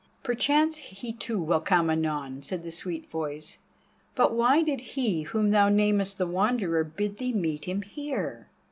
"Perchance he too will come anon," said the sweet voice; "but why did he, whom thou namest the Wanderer, bid thee meet him here?"